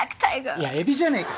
いやエビじゃねえか。